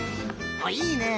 あっいいねえ。